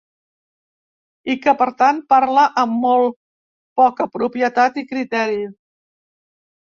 I que, per tant, parla amb molt poca propietat i criteri.